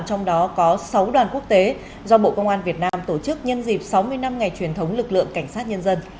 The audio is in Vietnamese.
trong đó có sáu đoàn quốc tế do bộ công an việt nam tổ chức nhân dịp sáu mươi năm ngày truyền thống lực lượng cảnh sát nhân dân